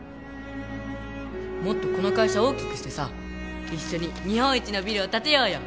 もっとこの会社大きくしてさ一緒に日本一のビルを建てようよ。